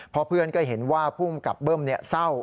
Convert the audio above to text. พอเพื่อนก็เห็นว่าภูมิกับเบิ้มเศร้า